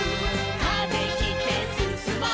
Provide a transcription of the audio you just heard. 「風切ってすすもう」